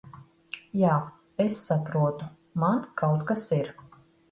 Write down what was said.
Jā, es saprotu. Man kaut kas ir...